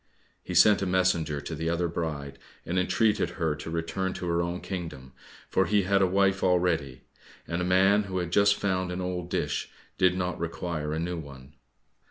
He sent a messenger to the other bride, and entreated her to return to her own kingdom, for he had a wife already, and a man who had just found an old dish did not require a new one.